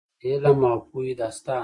د علم او پوهې داستان.